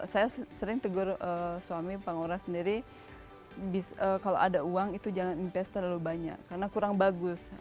saya sering tegur suami pak ngurah sendiri kalau ada uang itu jangan invest terlalu banyak karena kurang bagus